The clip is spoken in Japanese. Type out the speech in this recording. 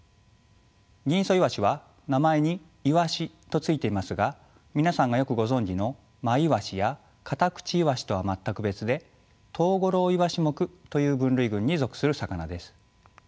ギンイソイワシは名前に「イワシ」と付いていますが皆さんがよくご存じのマイワシやカタクチイワシとは全く別でトウゴロウイワシ目という分類群に属する魚です。